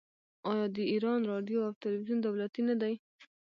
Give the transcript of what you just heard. آیا د ایران راډیو او تلویزیون دولتي نه دي؟